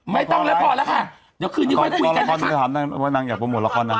ไม่ต้องแล้วพอแล้วค่ะเดี๋ยวคืนนี้ค่อยคุยกันตอนนี้ถามนางว่านางอยากโปรโมทละครนาง